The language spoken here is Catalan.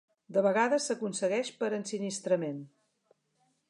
De vegades s'aconsegueix per ensinistrament.